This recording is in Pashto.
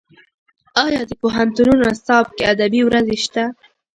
ایا د پوهنتونونو نصاب کې ادبي ورځې شته؟